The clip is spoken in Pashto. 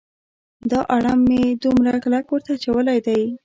دا اړم مې دومره کلک ورته اچولی دی.